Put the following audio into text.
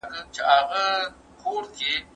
د شهسوارانو د تورو شړنګ